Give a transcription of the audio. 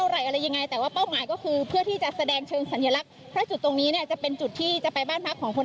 เรื่องแยกหน้าดินแดงคุณพักภูมิธรรมสร้าง